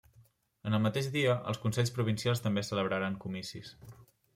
En el mateix dia, els consells provincials també celebraren comicis.